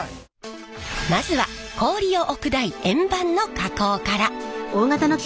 まずは氷を置く台円盤の加工から。